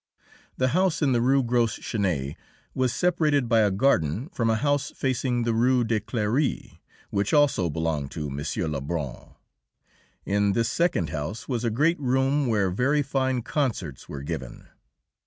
The house in the Rue Gros Chenet was separated by a garden from a house facing the Rue de Cléry, which also belonged to M. Lebrun. In this second house was a great room where very fine concerts were given.